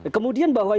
kemudian bahwa ini